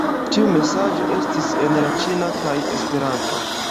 Tiu mesaĝo estis en la ĉina kaj Esperanto.